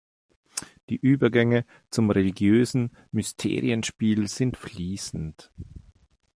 Die Übergänge zum religiösen Mysterienspiel sind fließend.